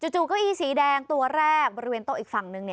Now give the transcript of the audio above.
จู่เก้าอี้สีแดงตัวแรกบริเวณโต๊ะอีกฝั่งหนึ่ง